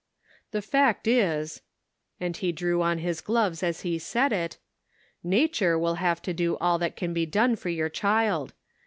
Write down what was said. " The fact is," and he drew on his gloves as he said it, " Nature will have to do all that can be done for your child.